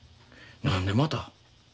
何でまた？